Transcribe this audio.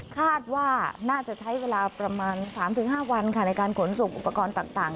คาดว่าน่าจะใช้เวลาประมาณ๓๕วันในการขนส่งอุปกรณ์ต่าง